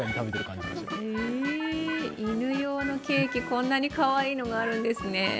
犬用のケーキ、こんなにかわいいのがあるんですね。